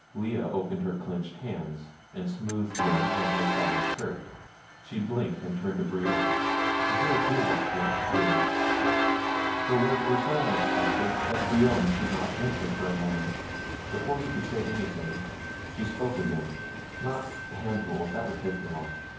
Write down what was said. Lea opened her clenched hands and smoothed them on her sodden skirt. She blinked and turned to Brion. "Is there a tool box here?" she asked. Her words were so unexpected that Brion could not answer for a moment. Before he could say anything she spoke again. "Not hand tools; that would take too long.